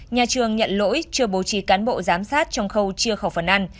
nhà trường nhận lỗi chưa bố trí cán bộ giám sát trong khâu chia khẩu phần ăn